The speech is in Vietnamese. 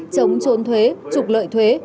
chống trốn thuế trục lợi thuế